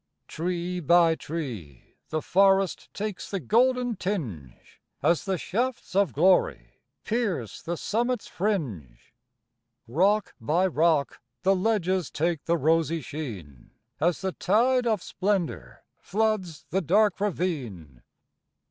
Tree by tree the forest Takes the golden tinge, As the shafts of glory Pierce the summit's fringe. Rock by rock the ledges Take the rosy sheen, As the tide of splendor Floods the dark ravine.